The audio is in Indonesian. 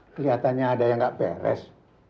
kelihatannya ada yang nggak beres